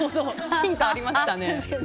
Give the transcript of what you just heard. ヒントありましたね。